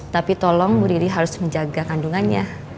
tapi tolong bu riri harus menjaga kandungannya